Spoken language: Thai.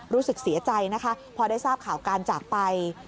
รู้สึกเสียใจนะคะพอได้ทราบข่าวการจากไป